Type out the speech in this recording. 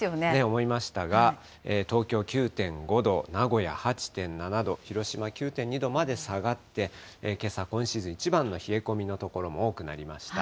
思いましたが、東京９．５度、名古屋８．７度、広島９．２度まで下がって、けさ、今シーズン一番の冷え込みの所も多くなりました。